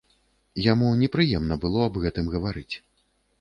Яму непрыемна было аб гэтым гаварыць.